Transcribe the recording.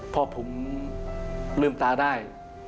พอผมลืมตาได้